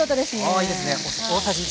あいいですね。